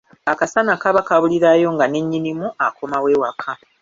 Akasana kaba kabulirayo nga ne nnyinimu akomawo ewaka.